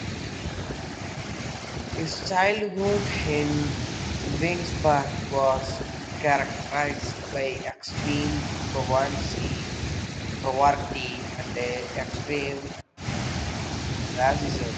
His childhood in Vicksburg was characterized by extreme poverty and extreme racism.